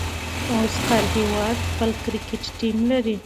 اوس هر هيواد خپل کرکټ ټيم لري.